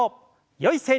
よい姿勢に。